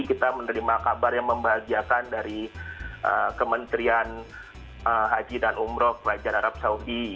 kita menerima kabar yang membahagiakan dari kementerian haji dan umroh kerajaan arab saudi